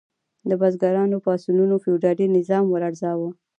د بزګرانو پاڅونونو فیوډالي نظام ولړزاوه.